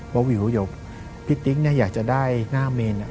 วิวหยุดคลิปพี่ตริกอยากจะได้หน้าเมนะ